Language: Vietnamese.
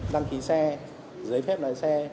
đăng ký xe giấy phép lái xe